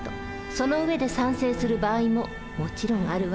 その上で賛成する場合ももちろんあるわ。